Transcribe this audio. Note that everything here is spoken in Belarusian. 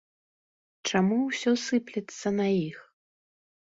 Чаму ўсё сыплецца на іх?